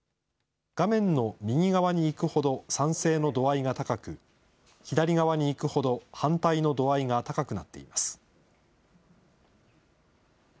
画面の右側にいくほど、賛成の度合いが高く、左側に行くほど反対の度合いが高くなっています。